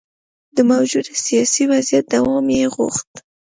د موجوده سیاسي وضعیت دوام یې غوښت.